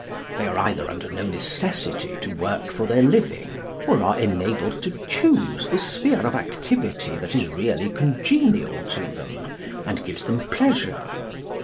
They are either under no necessity to work for their living, or are enabled to choose the sphere of activity that is really congenial to them, and gives them pleasure.